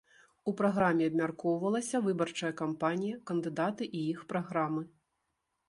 У праграме абмяркоўвалася выбарчая кампанія, кандыдаты і іх праграмы.